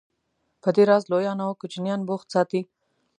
په دې راز لویان او کوشنیان بوخت ساتي.